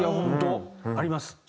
あります。